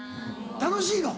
楽しいの？